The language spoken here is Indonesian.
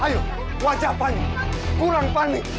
ayo wajah panik kurang panik